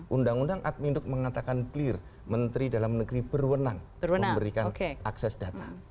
undang undang adminuk mengatakan clear menteri dalam negeri berwenang memberikan akses data